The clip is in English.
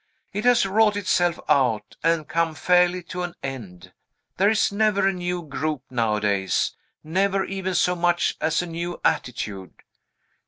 It has wrought itself out, and come fairly to an end. There is never a new group nowadays; never even so much as a new attitude.